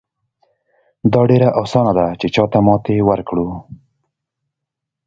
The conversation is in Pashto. دا ډېره اسانه ده چې چاته ماتې ورکړو.